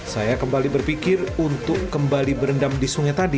saya kembali berpikir untuk kembali berendam di sungai tadi